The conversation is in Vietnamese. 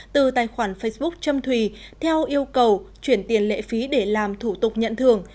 từ tài khoản facebook châm thùy theo yêu cầu chuyển tiền lệ phí để làm thủ tục nhận thưởng